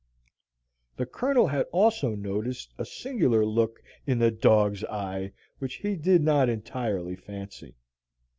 The Colonel had also noticed a singular look in the dog's eye which he did not entirely fancy.